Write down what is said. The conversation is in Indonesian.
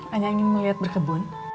anjangan ngeliat berkebun